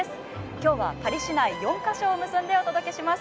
今日はパリ市内４か所を結んでお届けします。